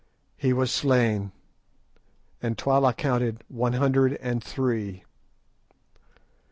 He was slain, and Twala counted one hundred and three.